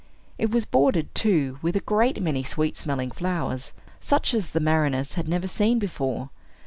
It was bordered, too, with a great many sweet smelling flowers, such as the mariners had never seen before.